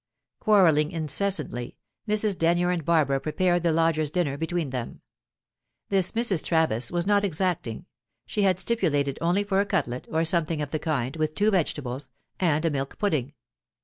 Quarrelling incessantly, Mrs. Denyer and Barbara prepared the lodger's dinner between them. This Mrs. Travis was not exacting; she had stipulated only for a cutlet, or something of the kind, with two vegetables, and a milk pudding.